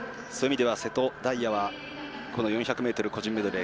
瀬戸大也は４００ｍ個人メドレー